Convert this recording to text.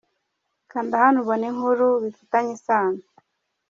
Kanda hano ubone inkuru bifitanye isano.